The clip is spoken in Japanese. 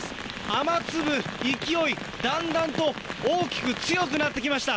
雨粒、勢い、だんだんと大きく強くなってきました。